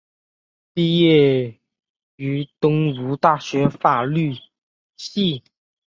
毕业于东吴大学法律系。